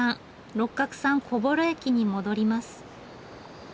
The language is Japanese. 六角さん小幌駅に戻ります。